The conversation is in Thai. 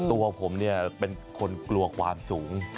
ตัวผมเป็นคนกลัวความสูง